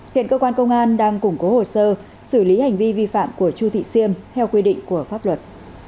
hiện cơ quan công an đang củng cố hồ sơ xử lý hành vi vi phạm của chu thị siêm theo quy định của pháp luật